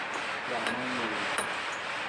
ยังไม่มี